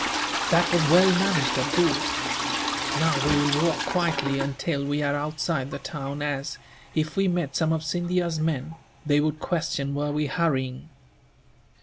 "That was well managed, Abdool. Now we will walk quietly until we are outside the town as, if we met some of Scindia's men, they would question were we hurrying."